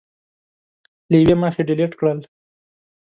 له یوې مخې ډیلېټ کړل